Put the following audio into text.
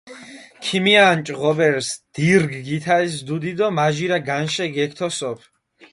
ქიმიანჭჷ ღობერს, დირგჷ გითალს დუდი დო მაჟირა განშე გეგთოსოფჷ.